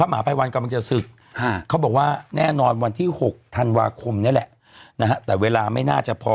มหาภัยวันกำลังจะศึกเขาบอกว่าแน่นอนวันที่๖ธันวาคมนี่แหละนะฮะแต่เวลาไม่น่าจะพอ